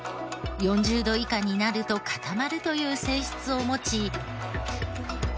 ４０度以下になると固まるという性質を持ち。